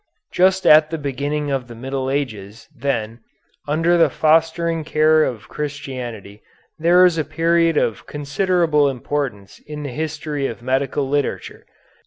Just at the beginning of the Middle Ages, then, under the fostering care of Christianity there is a period of considerable importance in the history of medical literature.